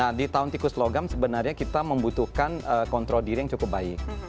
nah di tahun tikus logam sebenarnya kita membutuhkan kontrol diri yang cukup baik